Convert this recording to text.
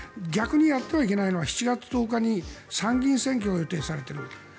逆にやってはいけないのは７月１０日に参議院選挙が予定されている。